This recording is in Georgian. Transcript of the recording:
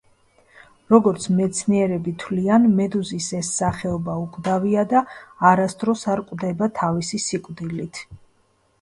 როგორც მეცნიერები თვლიან, მედუზის ეს სახეობა უკვდავია და არასდროს არ კვდება თავისი სიკვდილით.